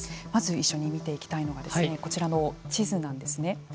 まず一緒に見ていきたいのがこちらの地図なんですね。